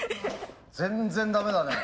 全然駄目だね。